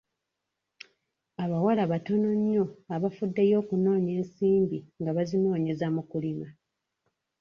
Abawala batono nnyo abafuddeyo okunoonya ensimbi nga bazinoonyeza mu kulima.